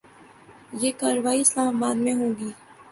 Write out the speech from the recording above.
یہ کارروائی اسلام آباد میں ہو گی۔